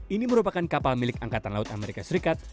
ini merupakan kapal milik angkatan laut amerika serikat